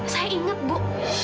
saya inget bu